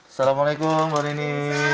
assalamualaikum mbak nini